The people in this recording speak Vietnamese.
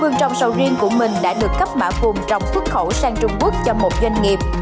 phương trồng sầu riêng của mình đã được cấp mã vùng trồng xuất khẩu sang trung quốc cho một doanh nghiệp